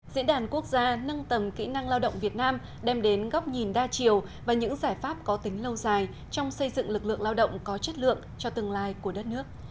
diễn đàn quốc gia nâng tầm kỹ năng lao động việt nam đem đến góc nhìn đa chiều và những giải pháp có tính lâu dài trong xây dựng lực lượng lao động có chất lượng cho tương lai của đất nước